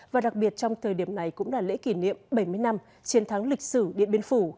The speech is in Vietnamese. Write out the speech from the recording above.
và đặc biệt trong thời điểm này cũng là lễ kỷ niệm bảy mươi năm chiến thắng lịch sử điện biên phủ